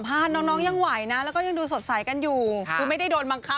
แต่อะไรดราม่าบางเรื่องมันก็ไม่ใช่เรื่องจริงค่ะ